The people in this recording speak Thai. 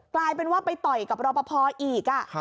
กลายเป็นว่าไปต่อยกับรอปภอีก